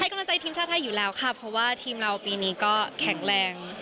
กำลังใจทีมชาติไทยอยู่แล้วค่ะเพราะว่าทีมเราปีนี้ก็แข็งแรง